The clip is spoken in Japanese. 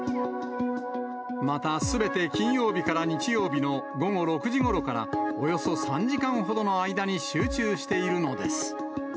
また、すべて金曜日から日曜日の午後６時ごろからおよそ３時間ほどの間に集中しているのです。